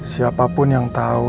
siapapun yang tahu